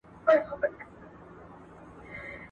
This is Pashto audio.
هغوی د راتلونکو نسلونو لپاره ارزښت لري.